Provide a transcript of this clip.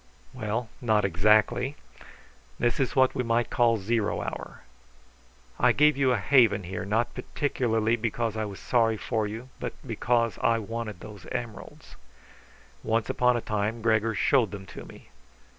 "Well, not exactly. This is what we might call zero hour. I gave you a haven here not particularly because I was sorry for you, but because I wanted those emeralds. Once upon a time Gregor showed them to me.